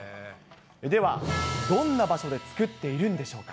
では、どんな場所で作っているんでしょうか。